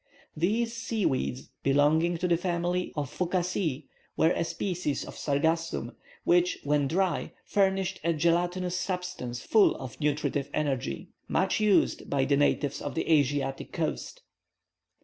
These seaweeds, belonging to the family of Fucaceæ, were a species of Sargassum, which, when dry, furnish a gelatinous substance full of nutritive matter, much used by the natives of the Asiatic coast.